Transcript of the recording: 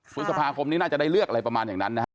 พฤษภาคมนี้น่าจะได้เลือกอะไรประมาณอย่างนั้นนะฮะ